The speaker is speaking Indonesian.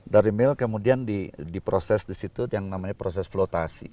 dari mil kemudian diproses di situ yang namanya proses flotasi